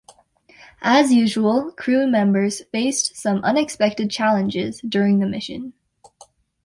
As usual, crew members faced some unexpected challenges during the mission.